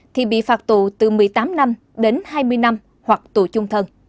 thì bị phạt tù từ một mươi tám năm đến hai mươi năm hoặc tù chung thân